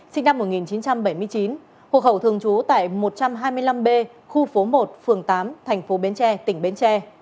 sinh năm một nghìn chín trăm bảy mươi chín hộ khẩu thường trú tại một trăm hai mươi năm b khu phố một phường tám thành phố bến tre tỉnh bến tre